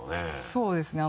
そうですね